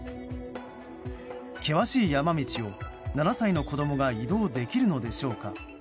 険しい山道を７歳の子供が移動できるのでしょうか。